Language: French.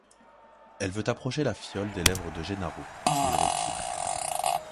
Elle veut approcher la fiole des lèvres de Gennaro, il recule.